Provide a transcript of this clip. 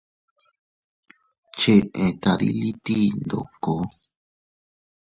Cheʼe tadiliti ndoko.